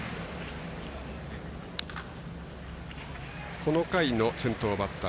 この回の先頭バッター。